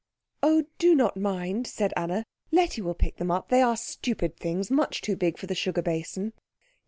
"Oh, do not mind," said Anna, "Letty will pick them up. They are stupid things much too big for the sugar basin."